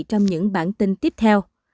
trong những bản tin tiếp theo